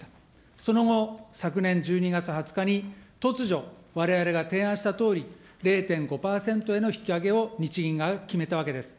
その後、昨年１２月２０日に、突如、われわれが提案したとおり、０．５％への引き上げを日銀が決めたわけです。